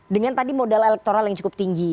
dengan tadi modal elektoral yang cukup tinggi